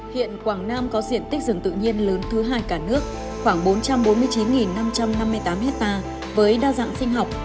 hiện quảng nam có diện tích rừng tự nhiên lớn thứ hai cả nước khoảng bốn trăm bốn mươi chín năm trăm năm mươi tám hectare với đa dạng sinh học